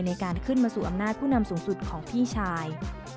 ในการขึ้นมาสู่อำนาจผู้นำสูงสุดของพี่ชาย